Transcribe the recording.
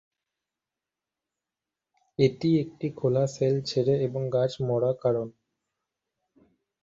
এটি একটি খোলা শেল ছেড়ে এবং গাছ মরা কারণ।